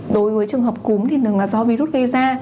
đối với trường hợp cúm thì đừng là do virus gây ra